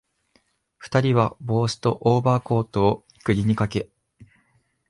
二人は帽子とオーバーコートを釘にかけ、